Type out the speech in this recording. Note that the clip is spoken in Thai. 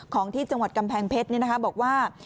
ของที่จังหวัดกำแพงเผ็ดนี้นะคะบอกว่า